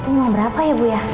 nyumbang berapa ya bu ya